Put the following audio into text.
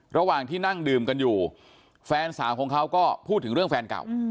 ระหว่างที่นั่งดื่มกันอยู่แฟนสาวของเขาก็พูดถึงเรื่องแฟนเก่า